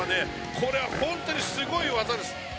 これはホントにすごい技です